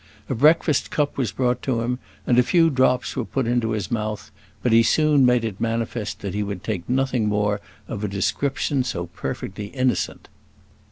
A breakfast cup was brought to him, and a few drops were put into his mouth; but he soon made it manifest that he would take nothing more of a description so perfectly innocent.